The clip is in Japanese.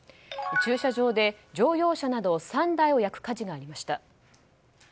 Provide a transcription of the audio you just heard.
駐車場で乗用車など３台を焼く火事がありました。